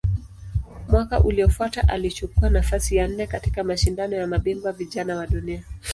Mwaka uliofuata alichukua nafasi ya nne katika Mashindano ya Mabingwa Vijana wa Dunia.